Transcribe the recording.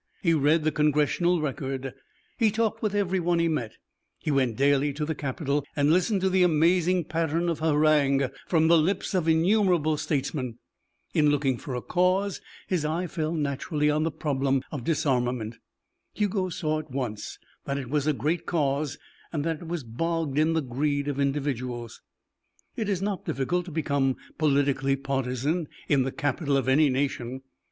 He read the Congressional Record, he talked with everyone he met, he went daily to the Capitol and listened to the amazing pattern of harangue from the lips of innumerable statesmen. In looking for a cause his eye fell naturally on the problem of disarmament. Hugo saw at once that it was a great cause and that it was bogged in the greed of individuals. It is not difficult to become politically partisan in the Capitol of any nation.